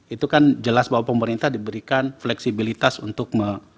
itu kan jelas bahwa pemerintah diberikan fleksibilitas untuk